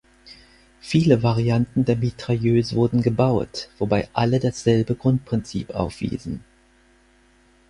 Viele Varianten der Mitrailleuse wurden gebaut, wobei alle dasselbe Grundprinzip aufwiesen.